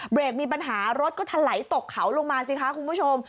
เบรกมีปัญหารถก็ถลายตกเขาลงมาสิคะคุณผู้ชม